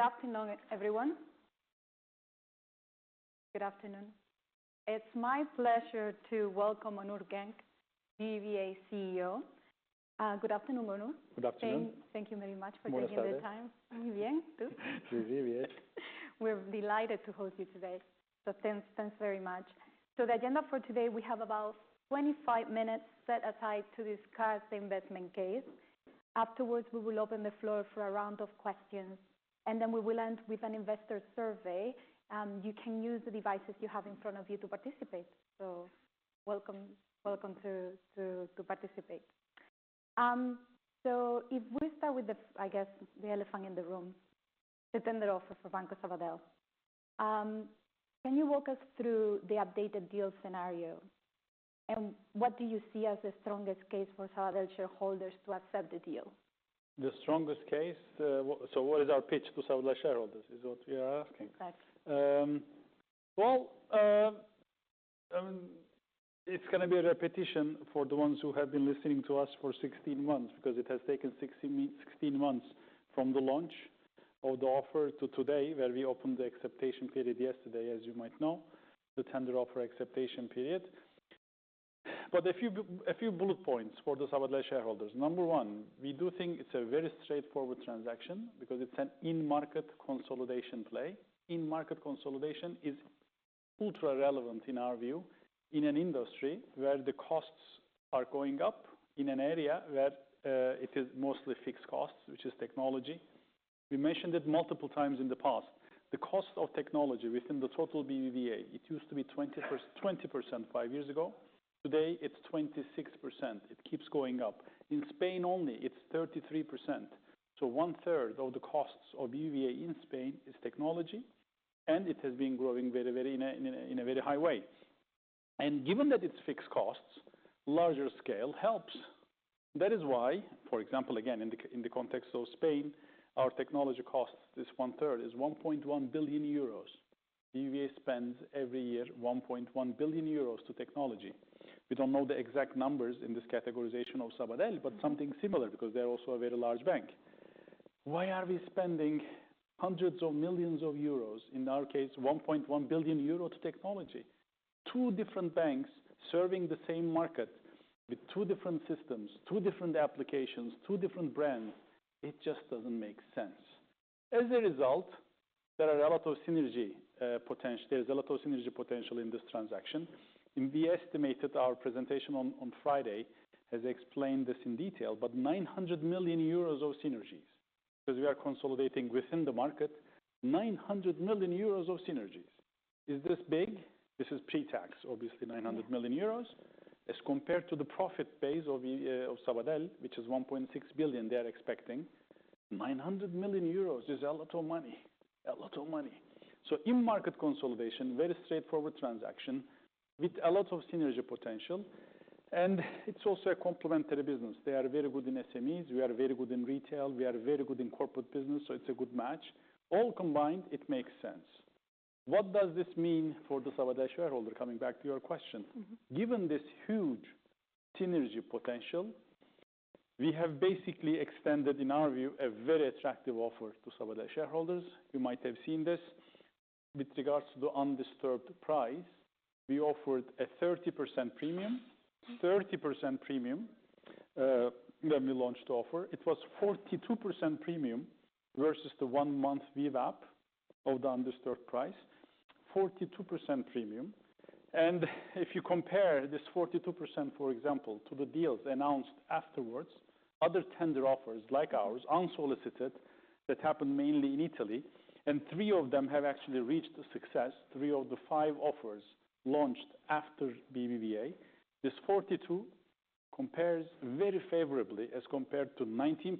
So good afternoon, everyone. Good afternoon. It's my pleasure to welcome Onur Geng, EVA CEO. Good afternoon, Anur. Good afternoon. Thank you very much for taking the time. We're delighted to host you today. So thanks thanks very much. So the agenda for today, we have about twenty five minutes set aside to discuss the investment case. Afterwards, we will open the floor for a round of questions, and then we will end with an investor survey. You can use the devices you have in front of you to participate. So welcome welcome to to to participate. So if we start with the, I guess, the elephant in the room, the tender offer for Banco Sabadell, can you walk us through the updated deal scenario? And what do you see as the strongest case for Sabadell shareholders to accept the deal? The strongest case, so what is our pitch to Savala shareholders is what we are asking? Correct. Well, I mean, it's gonna be a repetition for the ones who have been listening to us for sixteen months because it has taken sixteen sixteen months from the launch of the offer to today where we opened the expectation period yesterday, as you might know, the tender offer expectation period. But a few a few bullet points for the Sabadell shareholders. Number one, we do think it's a very straightforward transaction because it's an in market consolidation play. In market consolidation is ultra relevant in our view in an industry where the costs are going up in an area where, it is mostly fixed costs, which is technology. We mentioned it multiple times in the past. The cost of technology within the total BBVA, it used to be twenty first twenty percent five years ago. Today, it's 26%. It keeps going up. In Spain only, it's 33%. So one third of the costs of BBVA in Spain is technology, and it has been growing very, very in a in a in a very high way. And given that it's fixed costs, larger scale helps. That is why, for example, again, in the in the context of Spain, our technology costs, this one third, is €1,100,000,000. EVA spends every year €1,100,000,000 to technology. We don't know the exact numbers in this categorization of Sabadell, but something similar because they're also a very large bank. Why are we spending hundreds of millions of euros, in our case, €100,000,000 to technology? Two different banks serving the same market with two different systems, two different applications, two different brands. It just doesn't make sense. As a result, there are a lot of synergy, potential there's a lot of synergy potential in this transaction. And we estimated our presentation on on Friday has explained this in detail, but €900,000,000 of synergies because we are consolidating within the market. 900,000,000 of synergies. Is this big? This is pretax, obviously, €900,000,000. As compared to the profit base of, of Sabadell, which is 1,600,000,000.0 they are expecting, €900,000,000 is a lot of money, a lot of money. So in market consolidation, very straightforward transaction with a lot of synergy potential, and it's also a complementary business. They are very good in SMEs. We are very good in retail. We are very good in corporate business, so it's a good match. All combined, it makes sense. What does this mean for the Sabaday shareholder? Coming back to your question. Mhmm. Given this huge synergy potential, we have basically extended, in our view, a very attractive offer some of the shareholders. You might have seen this with regards to the undisturbed price. We offered a 30% premium, 30% premium, when we launched the offer. It was 42% premium versus the one month VWAP of the undisturbed price, 42% premium. And if you compare this 42%, for example, to the deals announced afterwards, other tender offers like ours, unsolicited, that happened mainly in Italy, and three of them have actually reached the success, three of the five offers launched after BBVA. This 42 compares very favorably as compared to 19%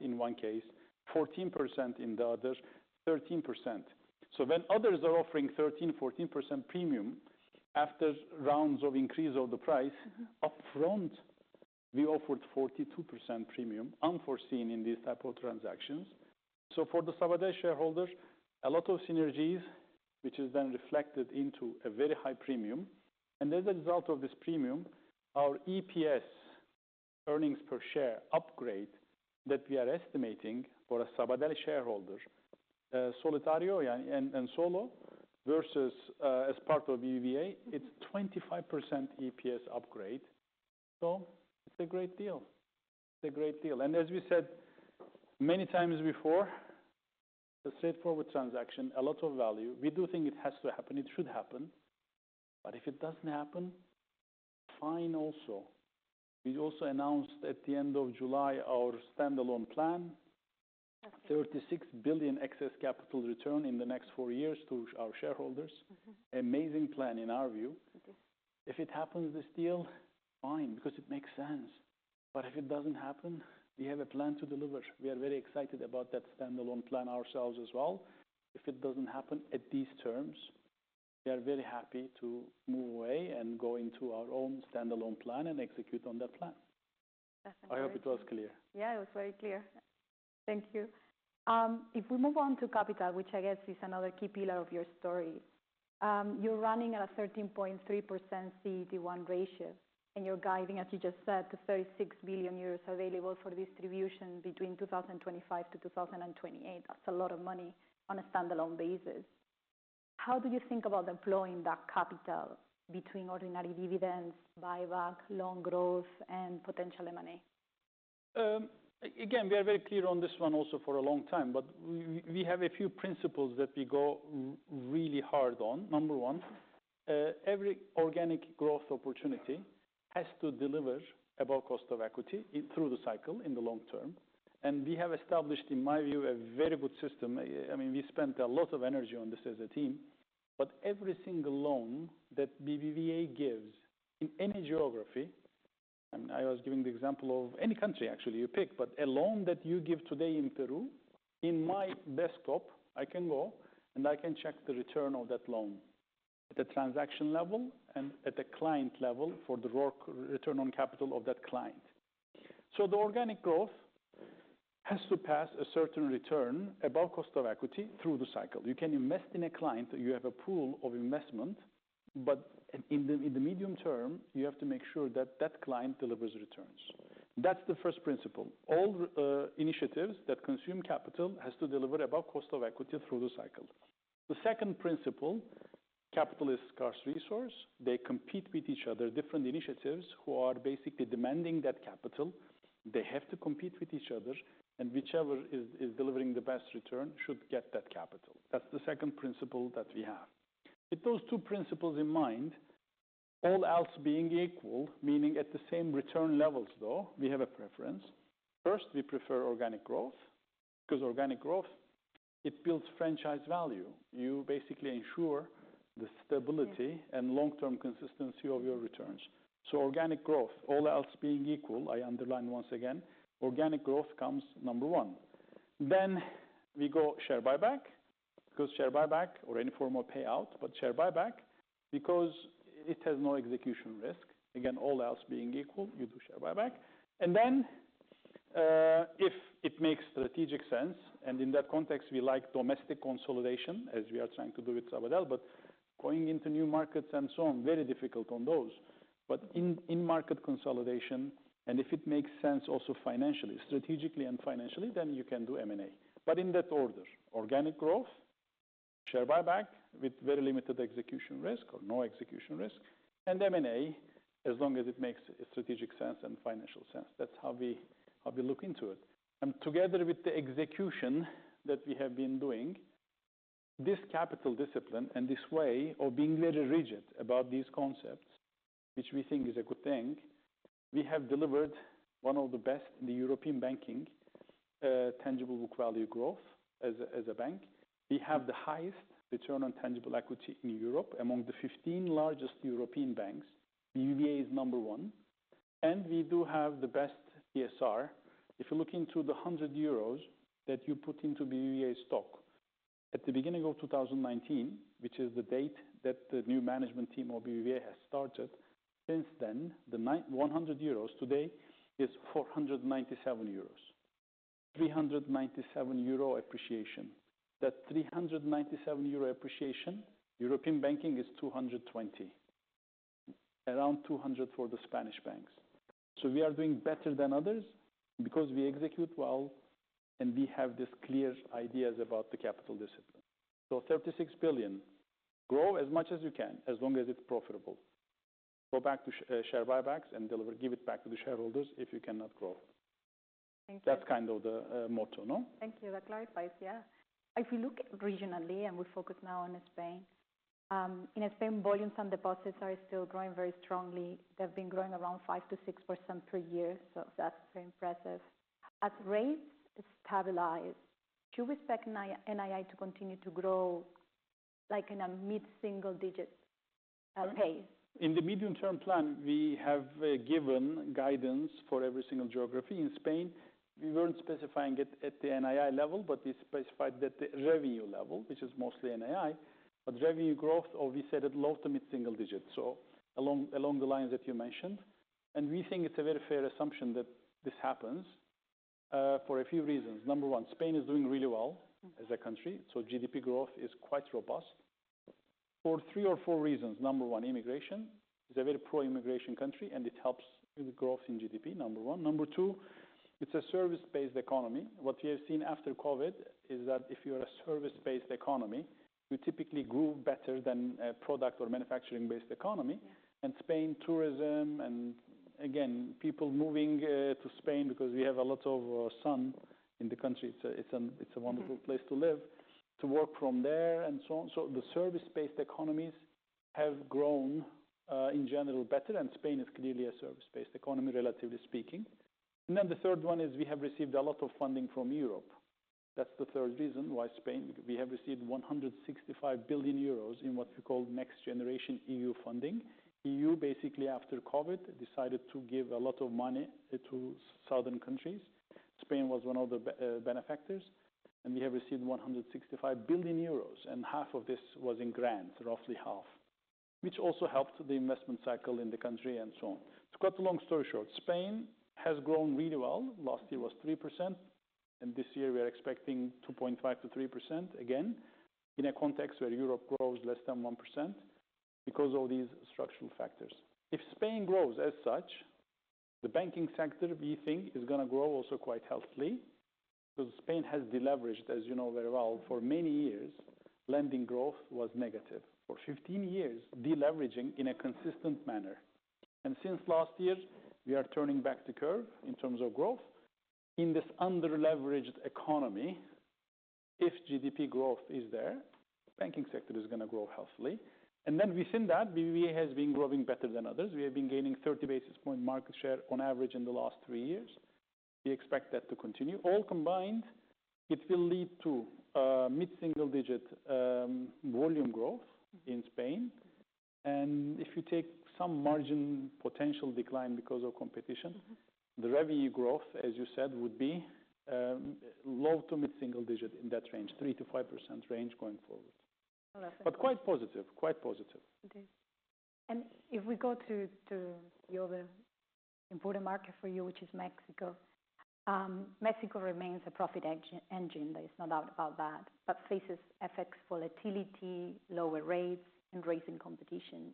in one case, 14% in the others, 13%. So when others are offering 14% premium after rounds of increase of the price Mhmm. Upfront, we offered 42% premium, unforeseen in these type of transactions. So for the Sabadell shareholders, a lot of synergies, which is then reflected into a very high premium. And as a result of this premium, our EPS earnings per share upgrade that we are estimating for a Sabadell shareholders, Solutario and and Solo versus, as part of UVA, it's 25% EPS upgrade. So it's a great deal. It's a great deal. And as we said many times before, it's a straightforward transaction, a lot of value. We do think it has to happen. It should happen. But if it doesn't happen, fine also. We also announced at the July our stand alone plan, 36,000,000,000 excess capital return in the next four years to our shareholders. Mhmm. Amazing plan in our view. Okay. If it happens, this deal, fine, because it makes sense. But if it doesn't happen, we have a plan to deliver. We are very excited about that stand alone plan ourselves as well. If it doesn't happen at these terms, we are very happy to move away and go into our own stand alone plan and execute on that plan. I hope it was clear. Yeah. It was very clear. Thank you. If we move on to capital, which I guess is another key pillar of your story, you're running at a 13.3% CET one ratio, and you're guiding, as you just said, to €36,000,000,000 available for distribution between 2025 to 02/1928. That's a lot of money on a stand alone basis. How do you think about deploying that capital between ordinary dividends, buyback, loan growth, and potential m and a? Again, we are very clear on this one also for a long time, but we have a few principles that we go really hard on. Number one, every organic growth opportunity has to deliver above cost of equity in through the cycle in the long term, and we have established, in my view, a very good system. I mean, we spent a lot of energy on this as a team, But every single loan that BBVA gives in any geography, and I was giving the example of any country, actually, you pick. But a loan that you give today in Peru, in my desktop, I can go, and I can check the return of that loan at the transaction level and at the client level for the work return on capital of that client. So the organic growth has surpassed a certain return above cost of equity through the cycle. You can invest in a client. You have a pool of investment, but in the in the medium term, you have to make sure that that client delivers returns. That's the first principle. All, initiatives that consume capital has to deliver above cost of equity through the cycle. The second principle, capital is scarce resource. They compete with each other, different initiatives who are basically demanding that capital. They have to compete with each other, and whichever is is delivering the best return should get that capital. That's the second principle that we have. With those two principles in mind, all else being equal, meaning at the same return levels though, we have a preference. First, we prefer organic growth because organic growth, it builds franchise value. You basically ensure the stability and long term consistency of your returns. So organic growth, all else being equal, I underline once again, organic growth comes number one. Then we go share buyback, because share buyback or any form of payout, but share buyback because it has no execution risk. Again, all else being equal, you do share buyback. And then, if it makes strategic sense, and and in that context, we like domestic consolidation as we are trying to do with Sabodell, but going into new markets and so on, very difficult on those. But in in market consolidation, and if it makes sense also financially, strategically and financially, then you can do M and A. But in that order, organic growth, share buyback with very limited execution risk or no execution risk, and m and a as long as it makes strategic sense and financial sense. That's how we how we look into it. And together with the execution that we have been doing, this capital discipline and this way of being very rigid about these concepts, which we think is a good thing, we have delivered one of the best in the European banking tangible book value growth as a as a bank. We have the highest return on tangible equity in Europe among the 15 largest European banks. BBVA is number one, and we do have the best ASR. If you look into the €100 that you put into BBVA stock, at the beginning of 02/2019, which is the date that the new management team of BBVA has started, since then, the nine €100 today is €497, €397 appreciation. That €397 appreciation, European banking is 220, around 200 for the Spanish banks. So we are doing better than others because we execute well, and we have this clear ideas about the capital discipline. So 36,000,000,000, grow as much as you can as long as it's profitable. Go back to share buybacks and deliver give it back to the shareholders if you cannot grow. Thank you. That's kind of the motto. No? Thank you. That clarifies. Yeah. If we look regionally, and we focus now on Spain, in Spain, volumes and deposits are still growing very strongly. They've been growing around five to 6% per year, so that's very impressive. As rates stabilize, do we expect NII to continue to grow, like, in a mid single digit pace? In the medium term plan, we have given guidance for every single geography. In Spain, We weren't specifying it at the NII level, but we specified that the revenue level, which is mostly NII. But revenue growth, or we said it low to mid single digits, so along along the lines that you mentioned. And we think it's a very fair assumption that this happens for a few reasons. Number one, Spain is doing really well as a country, so GDP growth is quite robust for three or four reasons. Number one, immigration is a very pro immigration country, and it helps with the growth in GDP, number one. Number two, it's a service based economy. What we have seen after COVID is that if you're a service based economy, you typically grew better than a product or manufacturing based economy, and Spain tourism and, again, people moving to Spain because we have a lot of sun in the country. It's a it's an it's a wonderful place to live to work from there and so on. So the service based economies have grown in general better, and Spain is clearly a service based economy relatively speaking. And then the third one is we have received a lot of funding from Europe. That's the third reason why Spain we have received €165,000,000,000 in what we call next generation EU funding. EU, basically, after COVID, decided to give a lot of money to southern countries. Spain was one of the benefactors, and we have received €165,000,000,000, and half of this was in grand, roughly half, which also helped the investment cycle in the country and so on. To cut the long story short, Spain has grown really well. Last year was 3%, and this year, we are expecting 2.5 to 3%, again, in a context where Europe grows less than 1% because of these structural factors. If Spain grows as such, the banking sector we think is gonna grow also quite healthily, because Spain has deleveraged, as you know very well. For many years, lending growth was negative. For fifteen years, deleveraging in a consistent manner. And since last year, we are turning back the curve in terms of growth. In this underleveraged economy, if GDP growth is there, banking sector is gonna grow healthily. And then within that, BBVA has been growing better than others. We have been gaining 30 basis point market share on average in the last three years. We expect that to continue. All combined, it will lead to mid single digit volume growth in Spain. And if you take some margin potential decline because of competition, the revenue growth, as you said, would be low to mid single digit in that range, three to 5% range going forward. Oh, that's But quite positive. Quite positive. Okay. And if we go to to the other important market for you, which is Mexico, Mexico remains a profit engine, there is no doubt about that, but faces FX volatility, lower rates, and raising competition.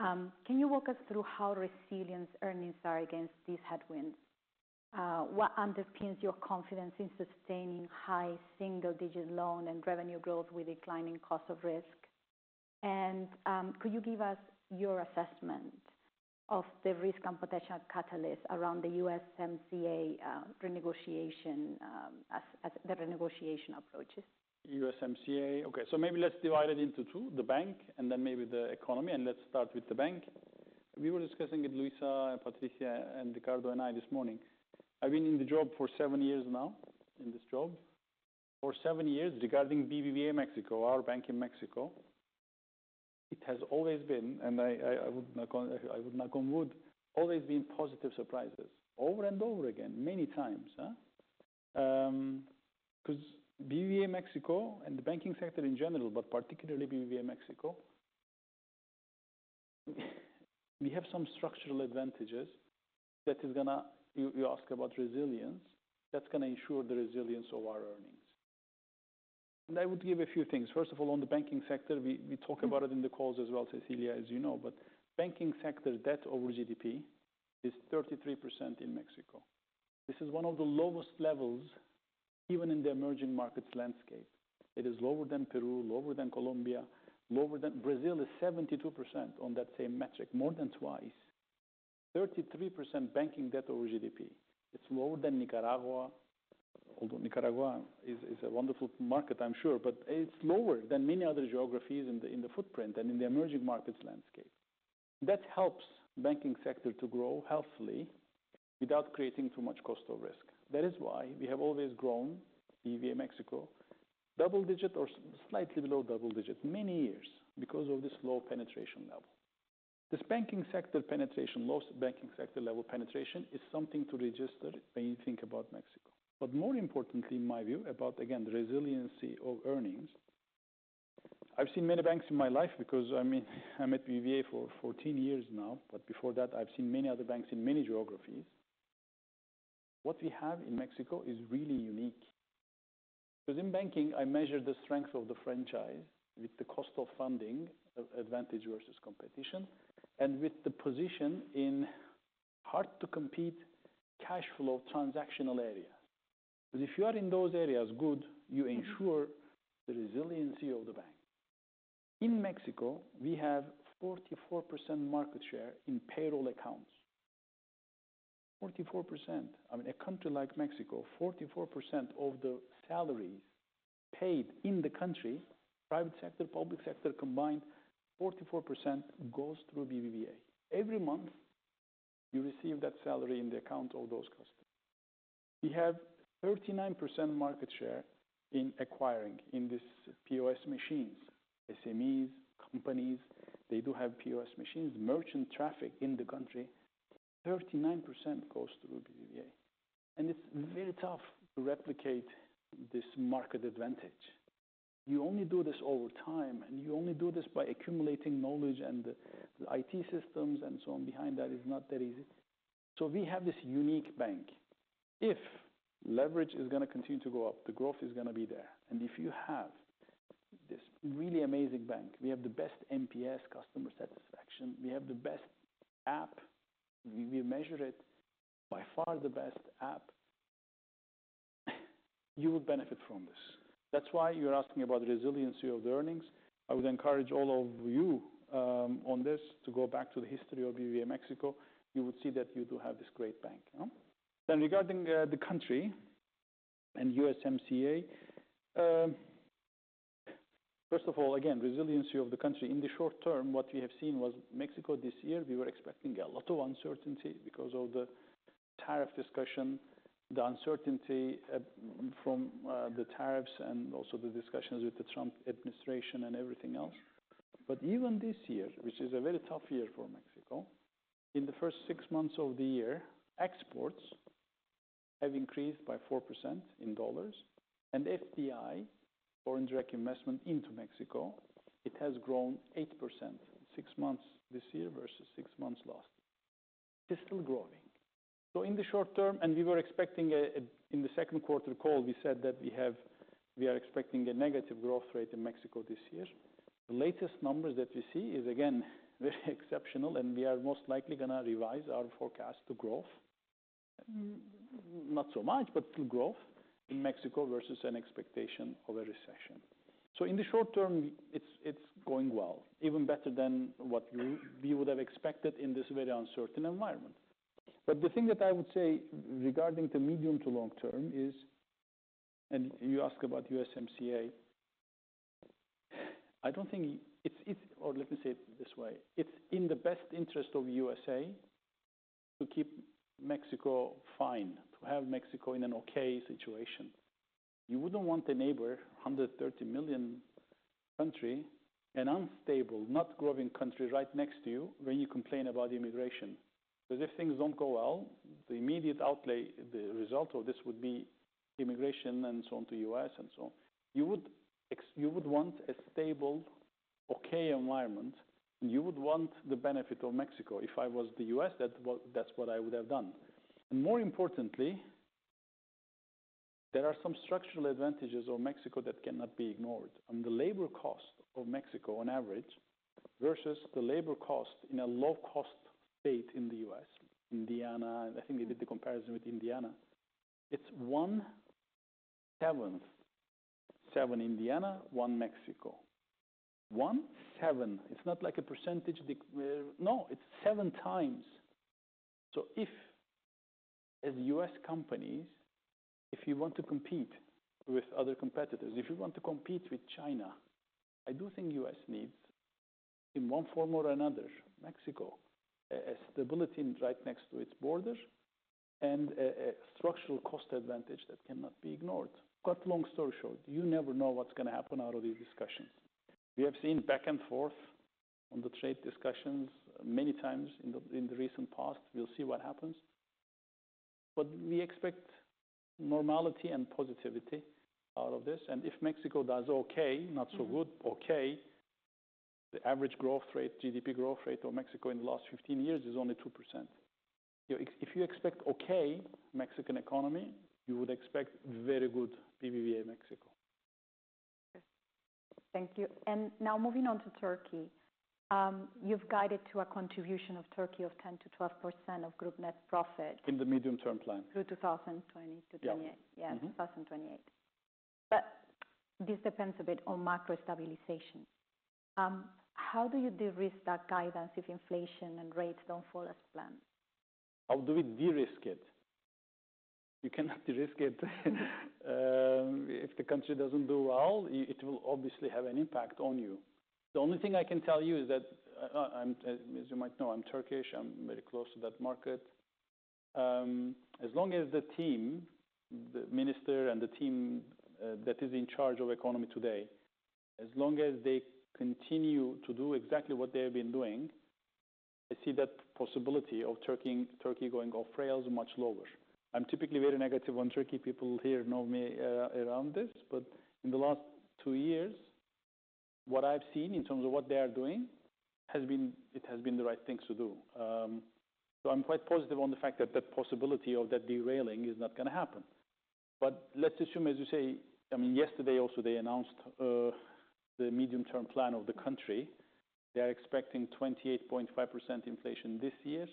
Can you walk us through how resilient earnings are against these headwinds? What underpins your confidence in sustaining high single digit loan and revenue growth with declining cost of risk? And could you give us your assessment of the risk and potential catalyst around the USMCA renegotiation, as as the renegotiation approaches? USMCA. Okay. So maybe let's divide it into two, the bank and then maybe the economy, and let's start with the bank. We were discussing with Luisa, Patricia, and Ricardo, I this morning. I've been in the job for seven years now, in this job. For seven years regarding BBVA Mexico, our bank in Mexico, it has always been, and I I I would not con I would not conmode, always been positive surprises over and over again many times. Because BVA Mexico and the banking sector in general, but particularly BVA Mexico, we have some structural advantages that is gonna you you ask about resilience. That's gonna ensure the resilience of our earnings. And I would give a few things. First of all, on the banking sector, we we talk about it in the calls as well, Cecilia, as you know. But banking sector debt over GDP is 33% in Mexico. This is one of the lowest levels even in the emerging markets landscape. It is lower than Peru, lower than Colombia, lower than Brazil is 72% on that same metric, more than twice. 33% banking debt over GDP. It's lower than Nicaragua. Although Nicaragua is is a wonderful market, I'm sure, but it's lower than many other geographies in the in the footprint than in the emerging markets landscape. That helps banking sector to grow healthily without creating too much cost of risk. That is why we have always grown, EVA Mexico, double digit or slightly below double digit many years because of this low penetration level. This banking sector penetration loss of banking sector level penetration is something to register when you think about Mexico. But more importantly, in my view, about, again, the resiliency of earnings, I've seen many banks in my life because, I mean, I'm at BBA for fourteen years now. But before that, I've seen many other banks in many geographies. What we have in Mexico is really unique. Because in banking, I measure the strength of the franchise with the cost of funding of advantage versus competition and with the position in hard to compete cash flow transactional area. But if you are in those areas, good, you ensure the resiliency of the bank. In Mexico, we have 44% market share in payroll accounts. 44%. I mean, a country like Mexico, 44% of the salary paid in the country, private sector, public sector combined, 44% goes through BBVA. Every month, you receive that salary in the account of those customers. We have 39% market share in acquiring in this POS machines. SMEs, companies, they do have POS machines, merchant traffic in the country. 39% goes through BBVA. And it's very tough to replicate this market advantage. You only do this all the time, and you only do this by accumulating knowledge and the IT systems and so on behind that is not that easy. So we have this unique bank. If leverage is gonna continue to go up, the growth is gonna be there. And if you have this really amazing bank, we have the best NPS, customer satisfaction, we have the best app, we we measure it by far the best app, you would benefit from this. That's why you're asking about the resiliency of the earnings. I would encourage all of you, on this to go back to the history of UVA Mexico. You would see that you do have this great bank. Then regarding, the country and USMCA, first of all, again, resiliency of the country. In the short term, what we have seen was Mexico this year, we were expecting a lot of uncertainty because of the tariff discussion, the uncertainty from, the tariffs and also the discussions with the Trump administration and everything else. But even this year, which is a very tough year for Mexico, in the first six months of the year, exports have increased by 4% in dollars, and FDI, foreign direct investment into Mexico, it has grown eight percent six months this year versus six months last. It's still growing. So in the short term and we were expecting a in the second quarter call, we said that we have we are expecting a negative growth rate in Mexico this year. The latest numbers that we see is again very exceptional, and we are most likely gonna revise our forecast to growth, not so much, but to growth in Mexico versus an expectation of a recession. So in the short term, it's it's going well, even better than what we we would have expected in this very uncertain environment. But the thing that I would say regarding the medium to long term is and you ask about USMCA. I don't think it's it's or let me say it this way. It's in the best interest of USA to keep Mexico fine, to have Mexico in an okay situation. You wouldn't want the neighbor 130,000,000 country, an unstable, not growing country right next to you when you complain about immigration. So if things don't go well, the immediate outlay the result of this would be immigration and so on to US and so on. You would ex you would want a stable, okay environment. You would want the benefit of Mexico. If I was The US, that's what that's what I would have done. And more importantly, there are some structural advantages of Mexico that cannot be ignored. The labor cost of Mexico on average versus the labor cost in a low cost state in The US. Indiana, I think they did the comparison with Indiana. It's one seventh. Seven Indiana, one Mexico. One seven. It's not like a percentage no. It's seven times. So if, as US companies, if you want to compete with other competitors, if you want to compete with China, I do think US needs, in one form or another, Mexico, a stability right next to its borders and a a structural cost advantage that cannot be ignored. Cut long story short, you never know what's gonna happen out of these discussions. We have seen back and forth on the trade discussions many times in the in the recent past. We'll see what happens, but we expect normality and positivity out of this. And if Mexico does okay, not so good, okay, the average growth rate GDP growth rate of Mexico in the last fifteen years is only 2%. If you expect okay Mexican economy, you would expect very good PBVA Mexico. Thank you. And now moving on to Turkey. You've guided to a contribution of Turkey of 10 to 12% of group net profit In the medium term plan. Through 2020 to '28. Yeah. 02/1928. But this depends a bit on macro stabilization. How do you derisk that guidance if inflation and rates don't fall as planned? How do we derisk it? You cannot derisk it. If the country doesn't do well, it will obviously have an impact on you. The only thing I can tell you is that, I'm as you might know, I'm Turkish. I'm very close to that market. As long as the team, the minister and the team, that is in charge of economy today, as long as they continue to do exactly what they have been doing, I see that possibility of Turkey Turkey going off frail is much lower. I'm typically very negative on Turkey. People here know me, around this. But in the last two years, what I've seen in terms of what they are doing has been it has been the right things to do. So I'm quite positive on the fact that that possibility of that derailing is not gonna happen. But let's assume, as you say I mean, yesterday, also, they announced, the medium term plan of the country. They are expecting twenty eight point five percent inflation this year,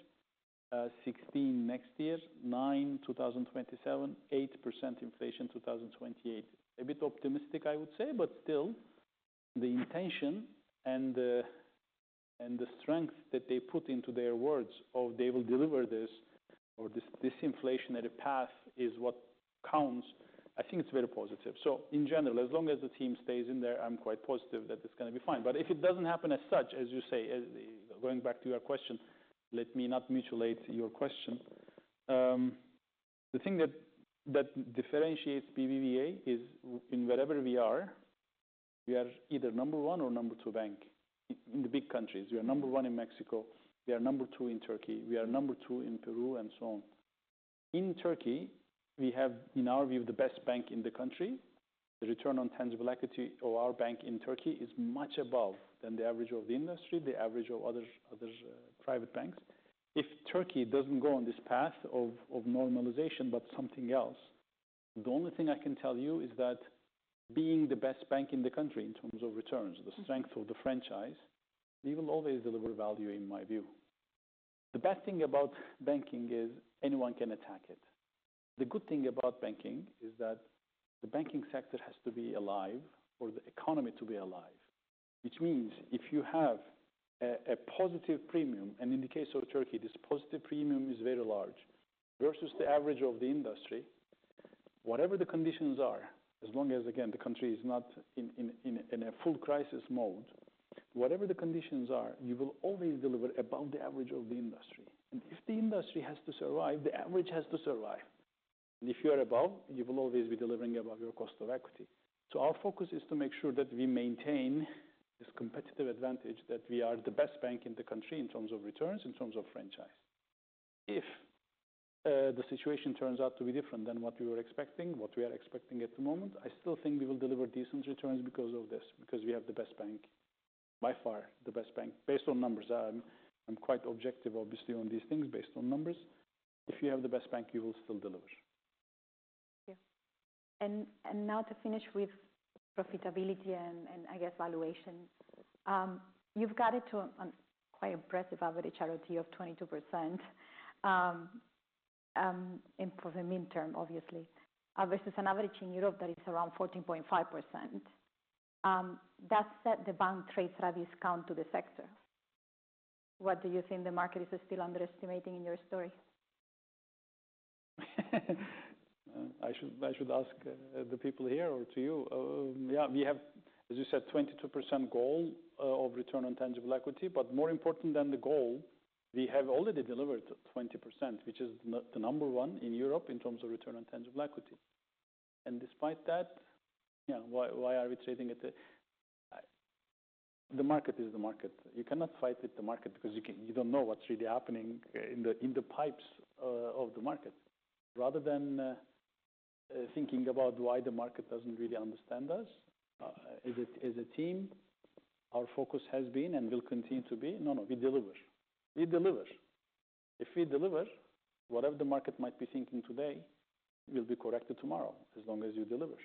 16 next year, nine two thousand twenty seven, 8% inflation 02/1928. A bit optimistic, I would say, but still the intention and the strength that they put into their words of they will deliver this or this this inflationary path is what counts, I think it's very positive. So in general, as long as the team stays in there, I'm quite positive that it's gonna be fine. But if it doesn't happen as such, as you say, going back to your question, let me not mutilate your question. The thing that that differentiates BBVA is in wherever we are, we are either number one or number two bank in the big countries. We are number one in Mexico. We are number two in Turkey. We are number two in Peru and so on. In Turkey, we have, in our view, the best bank in the country. The return on tangible equity of our bank in Turkey is much above than the average of the industry, the average of others others, private banks. If Turkey doesn't go on this path of of normalization but something else, the only thing I can tell you is that being the best bank in the country in terms of returns, the strength of the franchise, they will always deliver value in my view. The best thing about banking is anyone can attack it. The good thing about banking is that the banking sector has to be alive or the economy to be alive, which means if you have a a positive premium, and in the case of Turkey, this positive premium is very large versus the average of the industry, whatever the conditions are, as long as, again, the country is not in in in a in a full crisis mode, Whatever the conditions are, you will always deliver above the average of the industry. And if the industry has to survive, the average has to survive. And if you are above, you will always be delivering above your cost of equity. So our focus is to make sure that we maintain this competitive advantage that we are the best bank in the country in terms of returns, in terms of franchise. If, the situation turns out to be different than what we were expecting, what we are expecting at the moment, I still think we will deliver decent returns because of this, because we have the best bank, by far, the best bank based on numbers. I'm I'm quite objective, obviously, on these things based on numbers. If you have the best bank, you will still deliver. Yeah. And now to finish with profitability and and, I guess, valuation. You've got it to a quite impressive average ROT of 22% in for the midterm, obviously, versus an average in Europe that is around 14.5%. That said, the bank trades at a discount to the sector. What do you think the market is still underestimating in your story? I should I should ask the people here or to you. Yeah. We have, as you said, 22% goal, of return on tangible equity. But more important than the goal, we have already delivered 20%, which is the number one in Europe in terms of return on tangible equity. And despite that, yeah, why why are we trading at the the market is the market. You cannot fight with the market because you can you don't know what's really happening in the in the pipes, of the market. Rather than thinking about why the market doesn't really understand us, As a as a team, our focus has been and will continue to be no. No. We deliver. We deliver. If we deliver, whatever the market might be thinking today will be corrected tomorrow as long as you deliver.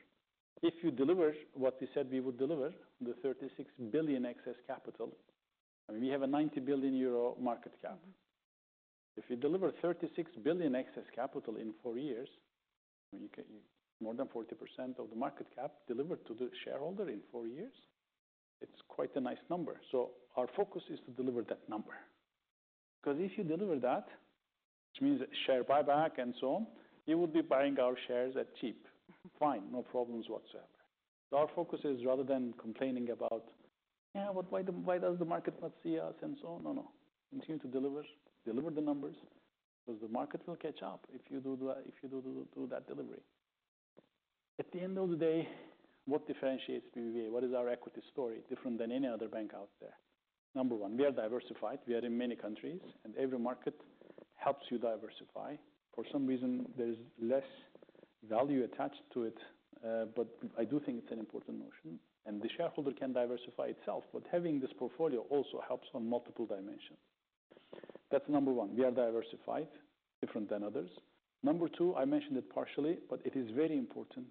If you deliver what we said we would deliver, the 36,000,000,000 excess capital I mean, we have a €90,000,000,000 market cap. If you deliver 36,000,000,000 excess capital in four years, more than 40% of the market cap delivered to the shareholder in four years, it's quite a nice number. So our focus is to deliver that number. Because if you deliver that, which means share buyback and so on, you would be buying our shares at cheap. Fine. No problems whatsoever. So our focus is rather than complaining about, yeah, but why the why does the market not see us and so on? No. No. Continue to deliver deliver the numbers because the market will catch up if you do the if you do the do that delivery. At the end of the day, what differentiates BVA? What is our equity story different than any other bank out there? Number one, we are diversified. We are in many countries, and every market helps you diversify. For some reason, there's less value attached to it, but I do think it's an important notion. And the shareholder can diversify itself, but having this portfolio also helps on multiple dimension. That's number one. We are diversified different than others. Number two, I mentioned it partially, but it is very important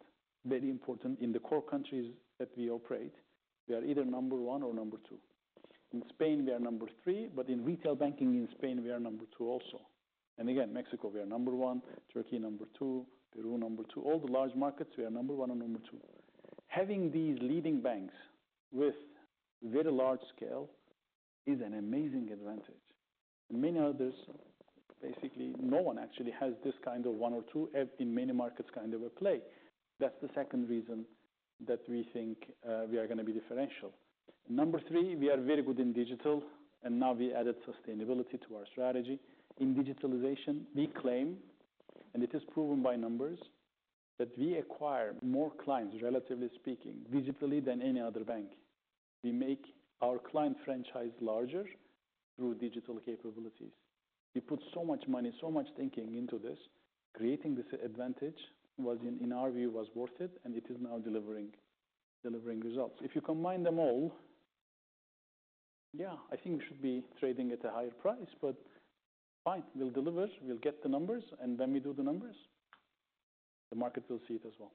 very important in the core countries that we operate. We are either number one or number two. In Spain, we are number three, but in retail banking in Spain, we are number two also. And again, Mexico, are number one. Turkey, number two. Peru, number two. All the large markets, we are number one and number two. Having these leading banks with very large scale is an amazing advantage. Many others, basically, no one actually has this kind of one or two in many markets kind of a play. That's the second reason that we think, we are gonna be differential. Number three, we are very good in digital, and now we added sustainability to our strategy. In digitalization, we claim, and it is proven by numbers, that we acquire more clients, relatively speaking, digitally than any other bank. We make our client franchise larger through digital capabilities. We put so much money, so much thinking into this. Creating this advantage was in in our view was worth it, and it is now delivering delivering results. If you combine them all, yeah, I think we should be trading at a higher price, but fine. We'll deliver. We'll get the numbers, and then we do the numbers. The market will see it as well.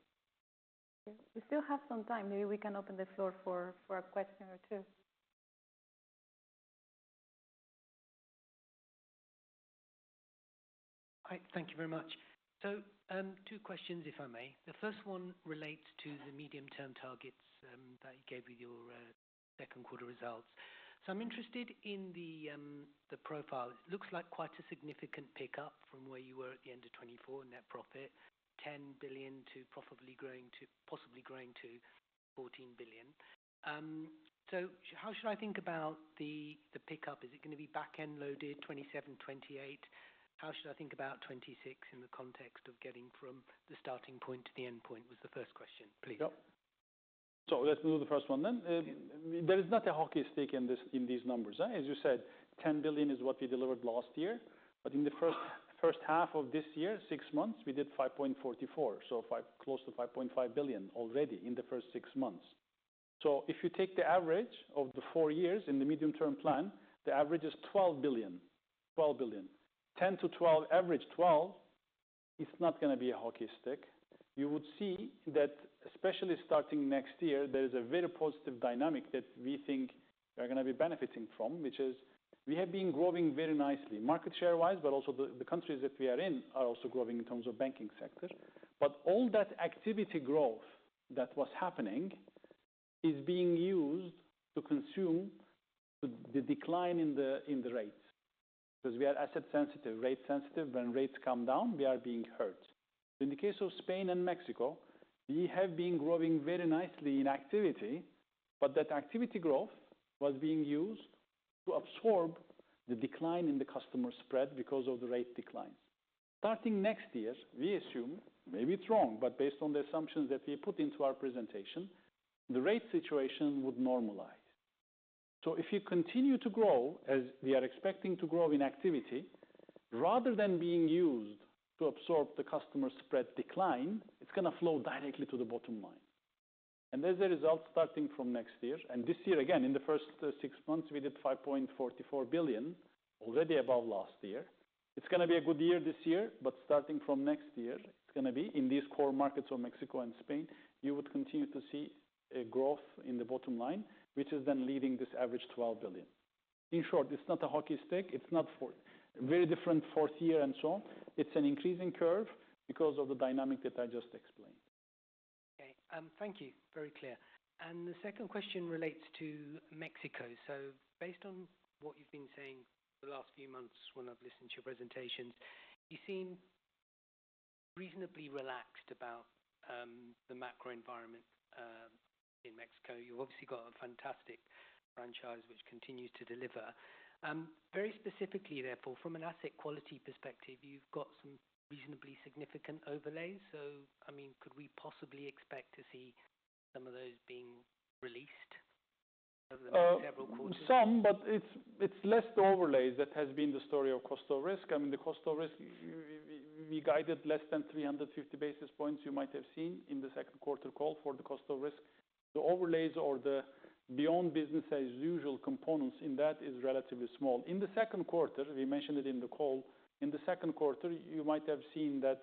We still have some time. Maybe we can open the floor for for a question or two. Hi. Thank you very much. So two questions, if I may. The first one relates to the medium term targets that you gave with your second quarter results. So I'm interested in the profile. It looks like quite a significant pickup from where you were at the 2024 in net profit, 10,000,000,000 to possibly growing to 14,000,000,000. So how should I think about the the pickup? Is it gonna be back end loaded twenty seven, twenty eight? How should I think about '26 in the context of getting from the starting point to the end point was the first question, please. So let's do the first one then. There is not a hockey stick in this in these numbers. As you said, 10,000,000,000 is what we delivered last year. But in the first first half of this year, six months, we did 5.44, so five close to 5,500,000,000.0 already in the first six months. So if you take the average of the four years in the medium term plan, the average is 12,000,000,012 billion. 10 to 12, average 12, it's not gonna be a hockey stick. You would see that, especially starting next year, there is a very positive dynamic that we think we're gonna be benefiting from, which is we have been growing very nicely market share wise, but also the the countries that we are in are also growing in terms of banking sector. But all that activity growth that was happening is being used to consume the decline in the in the rates because we are asset sensitive, rate sensitive. When rates come down, we are being hurt. In the case of Spain and Mexico, we have been growing very nicely in activity, but that activity growth was being used to absorb the decline in the customer spread because of the rate declines. Starting next year, assume, maybe it's wrong, but based on the assumptions that we put into our presentation, the rate situation would normalize. So if you continue to grow as we are expecting to grow in activity, rather than being used to absorb the customer spread decline, it's gonna flow directly to the bottom line. And there's a result starting from next year. And this year, again, in the first six months, we did 5,440,000,000.00 already above last year. It's gonna be a good year this year, but starting from next year, it's gonna be in these core markets of Mexico and Spain, you would continue to see a growth in the bottom line, which is then leading this average 12,000,000,000. In short, it's not a hockey stick. It's not four. Very different fourth year and so on. It's an increasing curve because of the dynamic that I just explained. Okay. Thank you. Very clear. And the second question relates to Mexico. So based on what you've been saying the last few months when I've listened to your presentations, you seem reasonably relaxed about, the macro environment, in Mexico. You've obviously got a fantastic franchise which continues to deliver. Very specifically, therefore, from an asset quality perspective, you've got some reasonably significant overlays. So, I mean, could we possibly expect to see some of those being released over the next several quarters? Some, but it's it's less overlays that has been the story of cost of risk. I mean, the cost of risk, we guided less than 350 basis points you might have seen in the second quarter call for the cost of risk. The overlays or the beyond business as usual components in that is relatively small. In the second quarter, we mentioned it in the call. In the second quarter, you might have seen that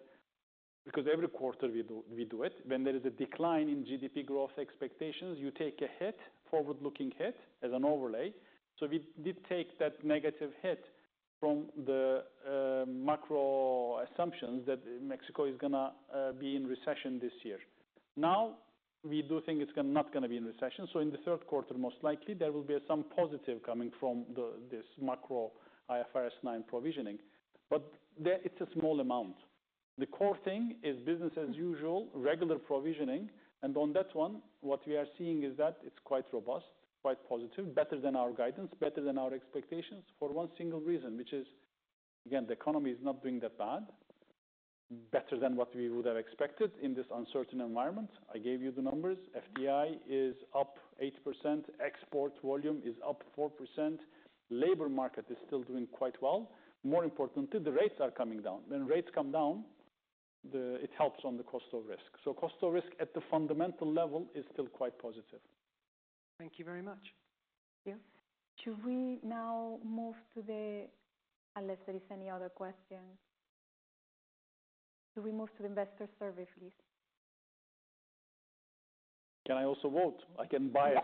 because every quarter we do we do it. When there is a decline in GDP growth expectations, you take a hit, forward looking hit as an overlay. So we did take that negative hit from the, macro assumptions that Mexico is gonna, be in recession this year. Now we do think it's gonna not gonna be in recession. So in the third quarter, most likely, there will be some positive coming from the this macro IFRS nine provisioning. But there, it's a small amount. The core thing is business as usual, regular provisioning, And on that one, what we are seeing is that it's quite robust, quite positive, better than our guidance, better than our expectations for one single reason, which is, again, the economy is not doing that bad, better than what we would have expected in this uncertain environment. I gave you the numbers. FDI is up 8%. Export volume is up 4%. Labor market is still doing quite well. More importantly, the rates are coming down. When rates come down, the it helps on the cost of risk. So cost of risk at the fundamental level is still quite positive. Thank you very much. Yeah. Should we now move to the unless there is any other question. So we move to the investor survey, please. Can I also vote? I can bias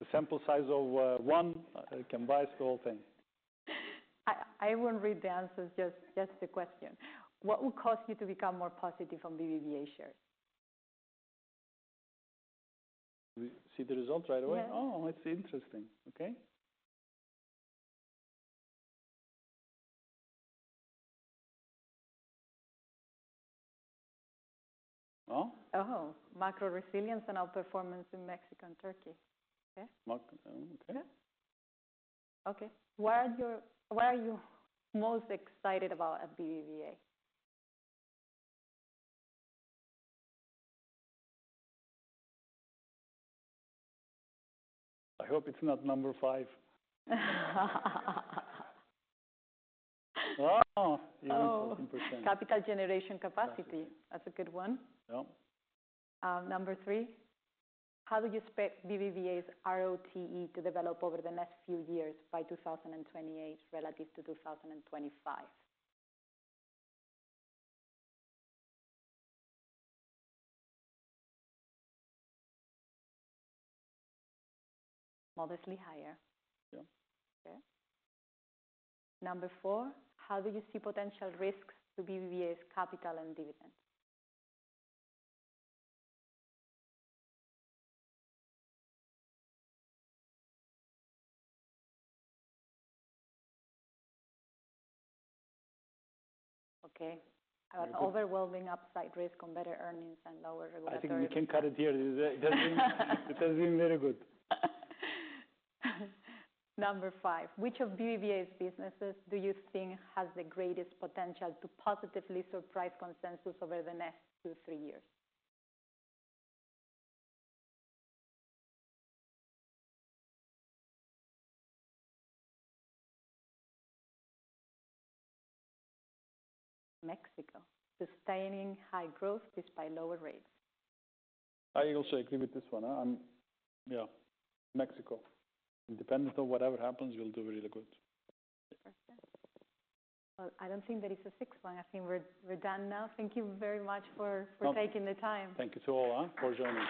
the sample size of, one. I can bias the whole thing. I I won't read the answers. Just just the question. What would cause you to become more positive from BBVA shares? We see the results right away. Oh, it's interesting. Okay. Oh? Uh-huh. Macro resilience and outperformance in Mexico and Turkey. K? Okay. Where are your where are you most excited about at BBVA? I hope it's not number five. Oh, even 7%. Capital generation capacity. That's a good one. Yep. Number three, how do you expect BBVA's RoTE to develop over the next few years by 2028 relative to 02/2025? Modestly higher. Yeah. K. Number four, how do you see potential risks to BBVA's capital and dividend? Okay. An overwhelming upside risk on better earnings and lower think you can cut it here. It has been has been very good. Number five, which of BBVA's businesses do you think has the greatest potential to positively surprise consensus over the next two, three years? Mexico, sustaining high growth despite lower rates. I will say, I'll give it this one. I'm yeah. Mexico. Independent of whatever happens, we'll do really good. Perfect. Well, I don't think there is a sixth one. I think we're we're done now. Thank you very much for for taking the time. Thank you to all for joining.